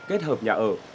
kết hợp nhà ở